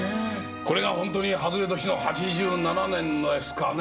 これがホントに外れ年の８７年のですかね？